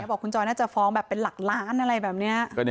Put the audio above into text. บอกคุณจอยน่าจะฟ้องแบบเป็นหลักล้านอะไรแบบนี้